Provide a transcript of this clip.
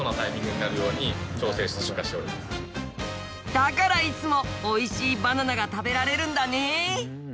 だからいつもおいしいバナナが食べられるんだね。